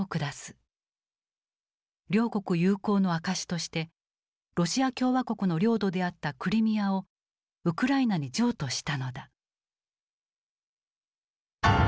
両国友好の証しとしてロシア共和国の領土であったクリミアをウクライナに譲渡したのだ。